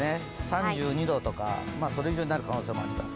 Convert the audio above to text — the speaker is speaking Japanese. ３２度とかそれ以上になる可能性があります。